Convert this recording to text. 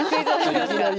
いきなり。